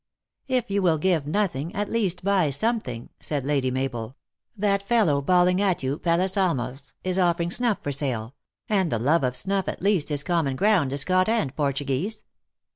" If you will give nothing, at least buy something," said Lady Mabel ;" that fellow bawling at you pelas alinas, is offering snuff for sale ; and the love of snuff", at least, is common ground to Scot and Portuguese."